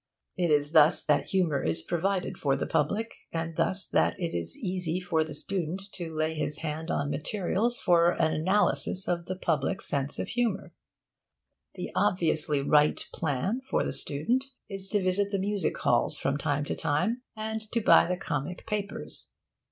It is thus that humour is provided for the public, and thus that it is easy for the student to lay his hand on materials for an analysis of the public's sense of humour. The obviously right plan for the student is to visit the music halls from time to time, and to buy the comic papers.